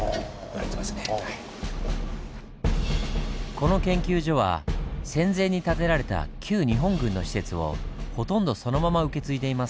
この研究所は戦前に建てられた旧日本軍の施設をほとんどそのまま受け継いでいます。